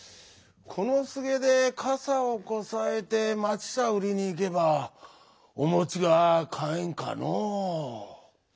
このすげでかさをこさえてまちさうりにいけばおもちがかえんかのう」。